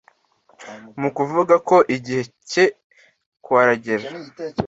mu kuvuga ko igihe cye kuaragera,